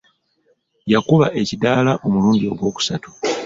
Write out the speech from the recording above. Yakuba ekidaala omulundi ogw'okusatu.